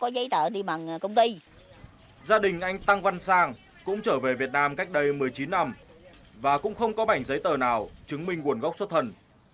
gia đình anh tăng văn sàng cũng trở về việt nam cách đây một mươi chín năm và cũng không có bảnh giấy tờ nào chứng minh nguồn gốc xuất thân